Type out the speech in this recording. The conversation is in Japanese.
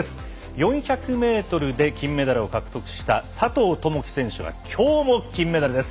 ４００メートルで金メダルを獲得した佐藤友祈選手がきょうも金メダルです。